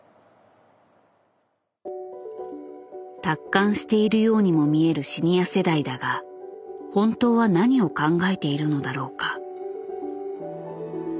達観しているようにも見えるシニア世代だが本当は何を考えているのだろうか。